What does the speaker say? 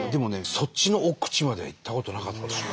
そっちの奥地までは行ったことなかったですね。